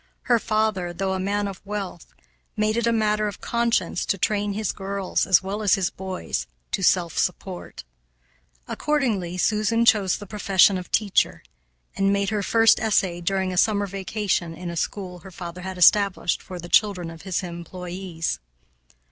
Her father, though a man of wealth, made it a matter of conscience to train his girls, as well as his boys, to self support. Accordingly Susan chose the profession of teacher, and made her first essay during a summer vacation in a school her father had established for the children of his employés.